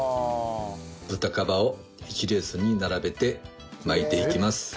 豚かばを１列に並べて巻いていきます。